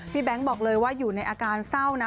แบงค์บอกเลยว่าอยู่ในอาการเศร้านะ